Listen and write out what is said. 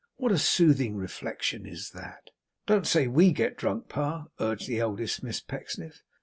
What a soothing reflection is that!' 'Don't say WE get drunk, Pa,' urged the eldest Miss Pecksniff.